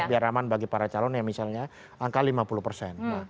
biar aman bagi para calon yang misalnya angka lima puluh persen